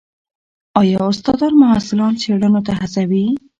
ایا استادان محصلان څېړنو ته هڅوي؟